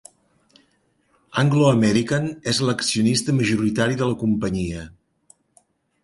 Anglo American és l'accionista majoritari de la companyia.